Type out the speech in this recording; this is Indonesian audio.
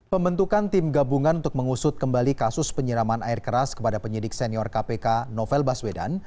pembentukan tim gabungan untuk mengusut kembali kasus penyiraman air keras kepada penyidik senior kpk novel baswedan